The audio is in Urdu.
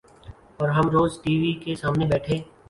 اور ہم روز ٹی وی کے سامنے بیٹھے